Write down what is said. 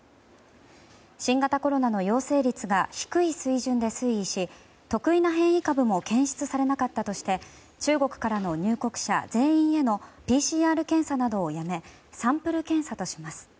新型コロナの陽性率が低い水準で推移し特異な変異株も検出されなかったとして中国からの入国者全員へのＰＣＲ検査などをやめサンプル検査とします。